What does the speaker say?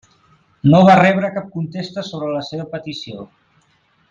No va rebre cap contesta sobre la seva petició.